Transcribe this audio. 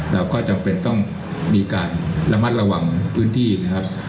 เราก็จำเป็นต้องมีการระมัดระวังพื้นที่นะครับ